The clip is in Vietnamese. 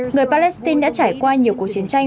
người palestine đã trải qua nhiều cuộc chiến tranh